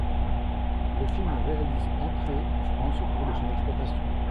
Le film réalise entrées en France au cours de son exploitation.